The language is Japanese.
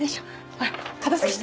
ほら片付けして！